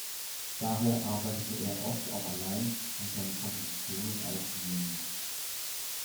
Daher arbeitete er auch oft allein, um seine Kompositionen aufzunehmen.